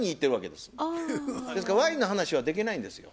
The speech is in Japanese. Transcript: ですからワインの話はできないんですよ。